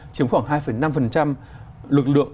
chiếm khoảng hai năm lực lượng